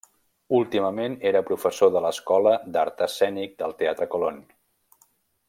Últimament era professor de l'escola d'Art Escènic del teatre Colón.